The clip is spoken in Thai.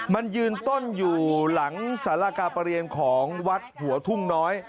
มันยืนต้นอยู่หลังสารกาประเรียนของวัดหัวทุ่งน้อย